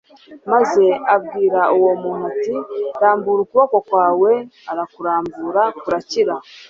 maze abwira uwo muntu ati : "Rambura ukuboko kwawe, arakurambura kurakira."